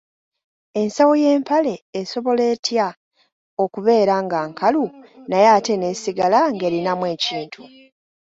Ensawo y’empale esobola etya okubeera nga nkalu naye ate n’esigala ng’erinamu ekintu?